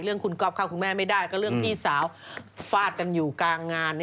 เรื่องคุณก๊อฟเข้าคุณแม่ไม่ได้ก็เรื่องพี่สาวฟาดกันอยู่กลางงาน